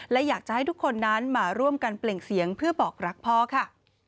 และอยากจะให้ทุกคนนั้นมาร่วมกันเปล่งเสียงเพื่อบอกรักพ่อค่ะ